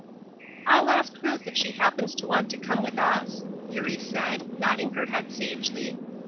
"I'll risk Ruth if she happens to want to come with us," Eurie said, nodding her head sagely.